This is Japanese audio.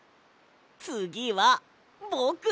つぎはぼく。